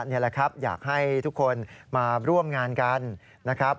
นี่แหละครับอยากให้ทุกคนมาร่วมงานกันนะครับ